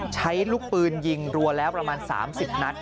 ใช้ลูกปืนยิงรัวแล้วประมาณ๓๐นัด